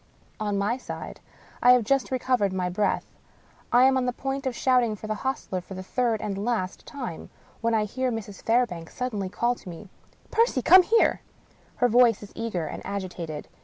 On my side, I have just recovered my breath, I am on the point of shout ing for the hostler for the third and last time, when I hear Mrs. Fairbank suddenly call to me: " Percy ! come here I " Her voice is eager and agitated.